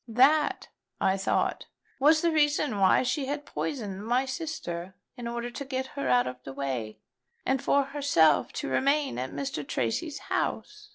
That, I thought, was the reason why she had poisoned my sister in order to get her out of the way, and for herself to remain at Mr. Tracy's house.